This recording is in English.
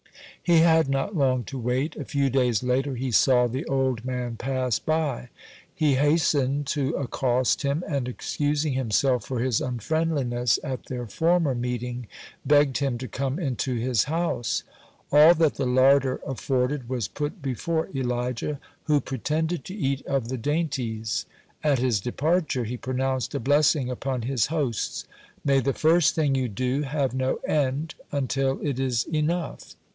He had not long to wait. A few days later he saw the old man pass by. He hastened to accost him, and, excusing himself for his unfriendliness at their former meeting, begged him to come into his house. All that the larder afforded was put before Elijah, who pretended to eat of the dainties. At his departure, he pronounced a blessing upon his hosts: "May the first thing you do have no end, until it is enough."